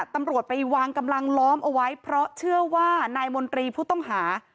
ตำรวจไปวางกำลังล้อมเอาไว้เพราะเชื่อว่านายมนตรีผู้ต้องหา